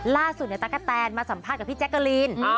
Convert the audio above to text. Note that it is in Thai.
ล่าสุดตั๊กกะแตนมาสัมภาษณ์กับพี่แจ๊กกะลีน